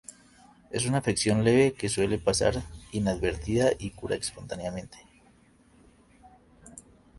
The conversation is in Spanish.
Es una afección leve que suele pasar inadvertida y cura espontáneamente.